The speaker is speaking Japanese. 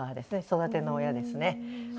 育ての親ですね。